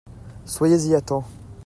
Soyez-y à temps !